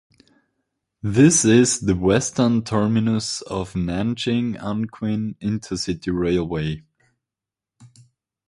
It is the western terminus of the Nanjing–Anqing intercity railway.